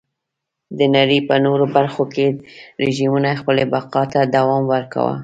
د نړۍ په نورو برخو کې رژیمونو خپلې بقا ته دوام ورکاوه.